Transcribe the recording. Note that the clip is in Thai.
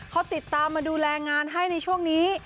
เขาติดตามมาดูแลงานให้ในช่วงนี้